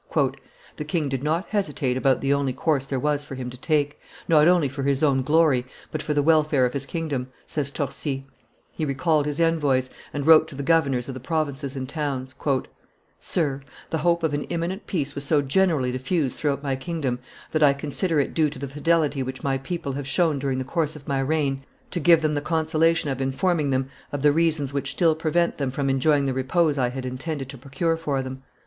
"The king did not hesitate about the only course there was for him to take, not only for his own glory, but for the welfare of his kingdom," says Torcy; he recalled his envoys, and wrote to the governors of the provinces and towns, "Sir: The hope of an imminent peace was so generally diffused throughout my kingdom, that I consider it due to the fidelity which my people have shown during the course of my reign to give them the consolation of informing them of the reasons which still prevent them from enjoying the repose I had intended to procure for them.